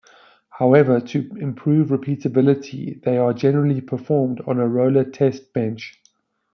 However, to improve repeatability, they are generally performed on a roller test bench.